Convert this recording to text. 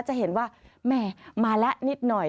จะเห็นว่าแม่มาแล้วนิดหน่อย